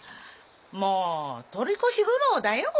もう取り越し苦労だよ。